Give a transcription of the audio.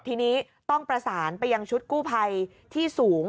ทีนี้ต้องประสานไปยังชุดกู้ภัยที่สูง